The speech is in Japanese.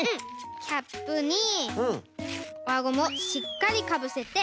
キャップにわゴムをしっかりかぶせて。